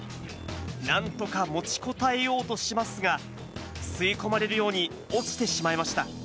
なんとか持ちこたえようとしますが、吸い込まれるように落ちてしまいました。